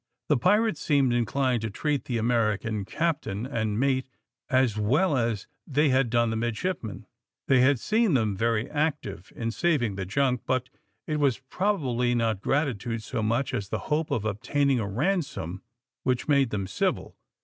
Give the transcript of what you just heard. The pirates seemed inclined to treat the American captain and mate as well as they had done the midshipmen. They had seen them very active in saving the junk, but it was probably not gratitude so much as the hope of obtaining a ransom which made them civil.